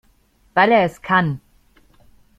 Weil er es kann.